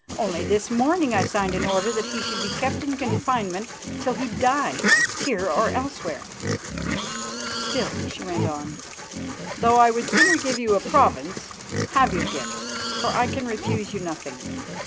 Only this morning I signed an order that he should be kept in confinement till he died, here or elsewhere. Still," she went on, "though I would sooner give you a province, have your gift, for I can refuse you nothing.